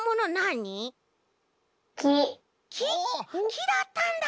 きだったんだ！